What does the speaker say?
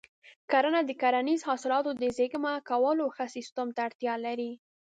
کرنه د کرنیزو حاصلاتو د زېرمه کولو ښه سیستم ته اړتیا لري.